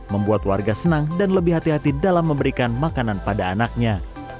membuat warga senang dan lebih hati hati dalam memberikan makanan pada anaknya